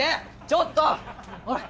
ちょっと！